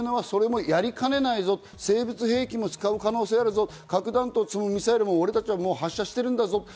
それもやりかねないぞ、生物兵器も使う可能性があるぞ、核弾頭を積むミサイルも俺たちは発射してるんだぞ。